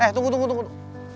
eh tunggu tunggu tunggu